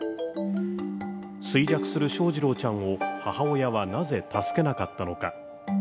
衰弱する翔士郎ちゃんを母親はなぜ助けなかったのか。